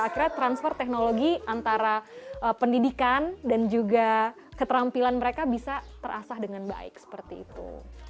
akhirnya transfer teknologi antara pendidikan dan juga keterampilan mereka bisa terasah dengan baik seperti itu